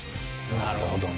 なるほどね。